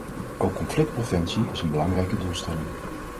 Ook conflictpreventie is een belangrijke doelstelling.